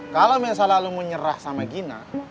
kalo misalnya lu mau nyerah sama gina